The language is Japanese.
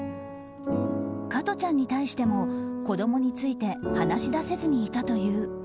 加トちゃんに対しても子供について話し出せずにいたという。